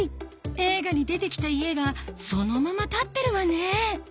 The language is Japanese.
映画に出て来た家がそのまま立ってるわね